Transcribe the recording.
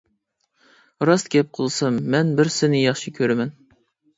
-راست گەپ قىلسام مەن بىرسىنى ياخشى كۆرىمەن!